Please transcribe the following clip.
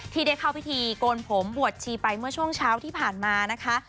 ที่ได้เข้าพิธีโกนผมบวชชีไปเมื่อช่วงเช้าที่ผ่านมานะคะ